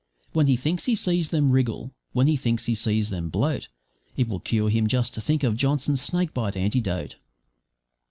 When he thinks he sees them wriggle, when he thinks he sees them bloat, It will cure him just to think of Johnson's Snakebite Antidote.'